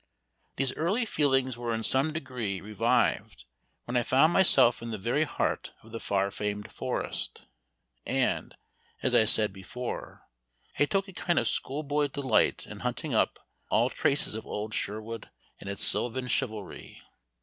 These early feelings were in some degree revived when I found myself in the very heart of the far famed forest, and, as I said before, I took a kind of schoolboy delight in hunting up all traces of old Sherwood and its sylvan chivalry.